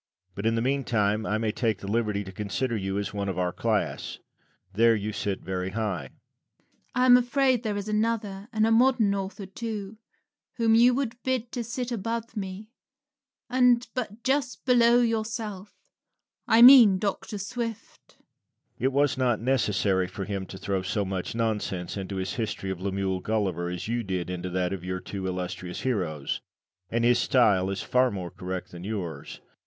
But in the meantime I may take the liberty to consider you as one of our class. There you sit very high. Rabelais. I am afraid there is another, and a modern author too, whom you would bid to sit above me, and but just below yourself I mean Dr. Swift. Lucian. It was not necessary for him to throw so much nonsense into his history of Lemuel Gulliver as you did into that of your two illustrious heroes; and his style is far more correct than yours.